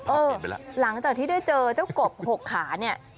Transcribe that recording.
หลังจากที่ได้เจอเจ้ากบ๖ขาเนี่ย